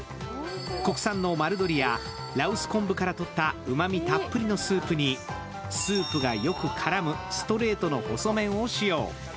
国産の丸鶏や羅臼昆布からとったうまみたっぷりのスープにスープがよく絡むストレートの細麺を使用。